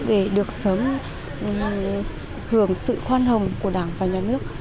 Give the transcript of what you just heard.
để được sớm hưởng sự khoan hồng của đảng và nhà nước